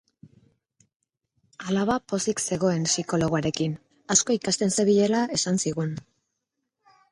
Alaba pozik zegoen psikologoarekin, asko ikasten zebilela esan zigun.